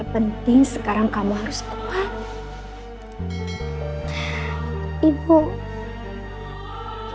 sayang sekarang kamu istirahat dulu ya nak ya